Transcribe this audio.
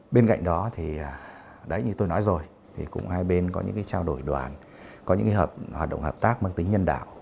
bên cạnh đó thì như tôi nói rồi thì cũng hai bên có những trao đổi đoàn có những hoạt động hợp tác mang tính nhân đạo